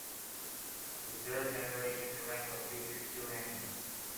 The third-generation Durango features two engines.